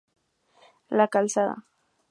La Calzada.